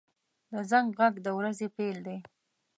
• د زنګ غږ د ورځې پیل دی.